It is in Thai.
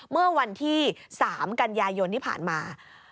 เมื่อวันที่๓กันยายนที่ผ่านมา